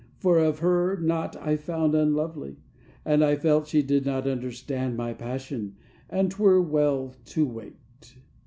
for of Her naught I found unlovely; and I felt she did not understand My passion, and 'twere well to wait.